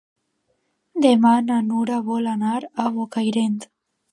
Demà na Nura vol anar a Bocairent.